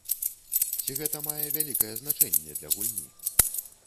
Ці гэта мае вялікае значэнне для гульні?